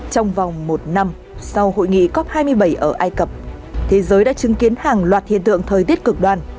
trong vòng một năm sau hội nghị cop hai mươi bảy ở ai cập thế giới đã chứng kiến hàng loạt hiện tượng thời tiết cực đoan